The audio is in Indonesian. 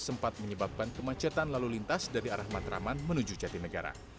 sempat menyebabkan kemacetan lalu lintas dari arah matraman menuju jatinegara